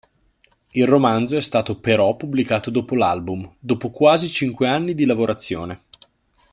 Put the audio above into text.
Il romanzo è stato però pubblicato dopo l'album, dopo quasi cinque anni di lavorazione.